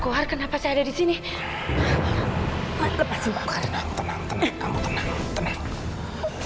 kamu tenang tenang